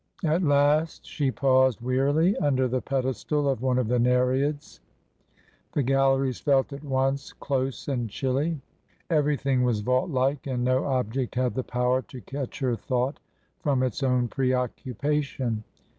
At last she paused wearily under the pedestal of one of the Nereids. The galleries felt at once close and chilly ; everything was vault like, and no object had the power to catch her thought from its own preoccupation.